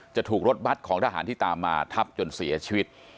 จะถูกรถบัตรของทหารที่ตามมาทับจนเสียชีวิต